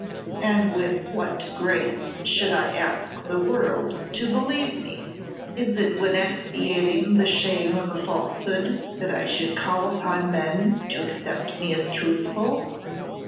"And with what grace should I ask the world to believe me? Is it when expiating the shame of a falsehood that I should call upon men to accept me as truthful?